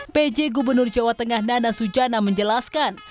pj gubernur jawa tengah nana sujana menjelaskan